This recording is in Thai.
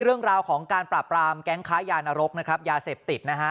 เรื่องราวของการปราบรามแก๊งค้ายานรกนะครับยาเสพติดนะฮะ